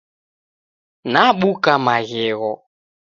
Nabuka Maghegho.